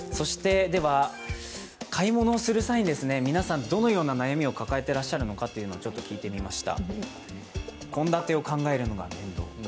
買い物をする際にどのような悩みを抱えているのかちょっと聞いてみました。